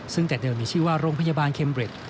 ซึ่งแต่เดิมมีชื่อว่าโรงพยาบาลเคมเร็ด